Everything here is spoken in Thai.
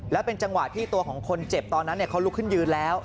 แล้วเป็นจังหวะที่ตัวของคนเจ็บตอนนั้นเขาลุกขึ้นยืนแล้ว